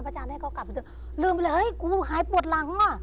พระอาจารย์ให้เค้ากลับไปแล้วลืมไปแล้วเฮ้ยกูหายปวดหลังอ่ะ